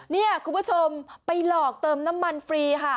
นี่คุณผู้ชมไปหลอกเติมน้ำมันฟรีค่ะ